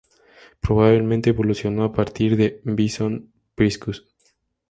Probablemente evolucionó a partir de "Bison priscus".